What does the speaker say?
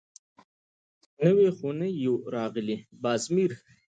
_نوي خو نه يو راغلي، باز مير.